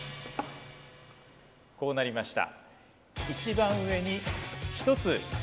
こうなりました。